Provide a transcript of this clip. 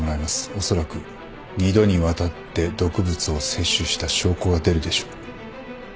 おそらく二度にわたって毒物を摂取した証拠が出るでしょう。